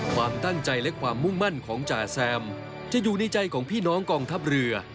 ความตั้งใจและความมุ่งมั่นของจ่าแซมจะอยู่ในใจของพี่น้องกองทัพเรือ